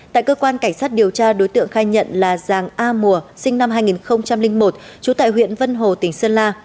tại cơ quan cảnh sát điều tra đối tượng khai nhận là giàng a mùa sinh năm hai nghìn một trú tại huyện vân hồ tỉnh sơn la